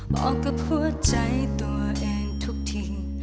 บอกกับหัวใจตัวเองทุกทิ้ง